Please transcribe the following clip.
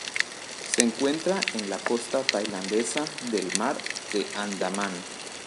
Se encuentra en la costa tailandesa del Mar de Andaman.